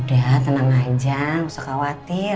udah tenang aja